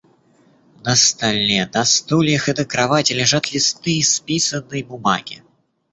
На столе, на стульях и на кровати лежат листы исписанной бумаги.